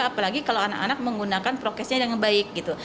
apalagi kalau anak anak menggunakan prokesnya dengan baik gitu